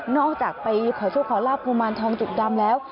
จากไปขอโชคขอลาบกุมารทองจุกดำแล้ว